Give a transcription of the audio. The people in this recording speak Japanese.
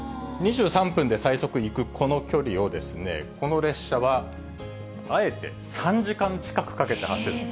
２３分で最速行くこの距離を、この列車はあえて３時間近くかけぜいたく。